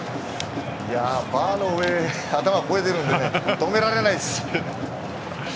バーの上頭超えてるので止められないです。